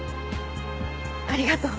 ありがとう。